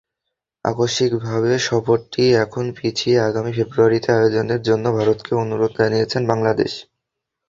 আকস্মিকভাবে সফরটি এখন পিছিয়ে আগামী ফেব্রুয়ারিতে আয়োজনের জন্য ভারতকে অনুরোধ জানিয়েছে বাংলাদেশ।